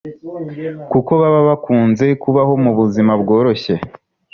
kuko baba bakunze kubaho mu buzima bworoshye